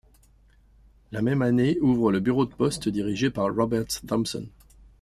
La même année ouvre le bureau de poste, dirigé par Robert Thompson.